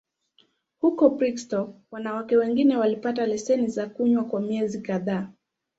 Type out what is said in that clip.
Huko Brigstock, wanawake wengine walipata leseni za kunywa kwa miezi kadhaa.